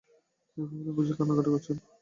নৃপবালা বুঝি কান্নাকাটি করছেন?